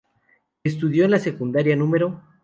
Estudió en la Secundaria No.